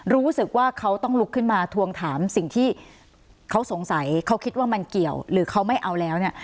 รู้สึกว่าเขาต้องลุกขึ้นมาทวงถามสิ่งที่เขาสงสัยเขาคิดว่ามันเกี่ยวหรือเขาไม่เอาแล้วเนี่ย